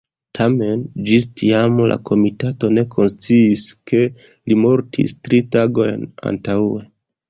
Tamen, ĝis tiam la komitato ne konsciis ke li mortis tri tagojn antaŭe.